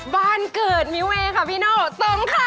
บ้านเกิดมิวเอกาพิโนตรงคาร์